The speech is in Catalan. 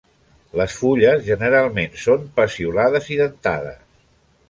Les fulles generalment són peciolades i dentades.